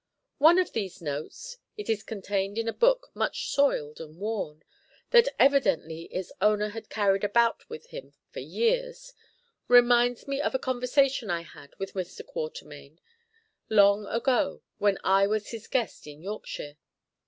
One of these notes it is contained in a book, much soiled and worn, that evidently its owner had carried about with him for years reminds me of a conversation I had with Mr. Quatermain long ago when I was his guest in Yorkshire.